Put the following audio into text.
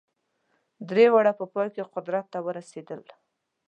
درې واړه په پای کې قدرت ته ورسېدل.